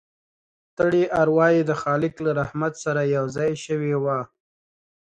ستړې اروا يې د خالق له رحمت سره یوځای شوې وه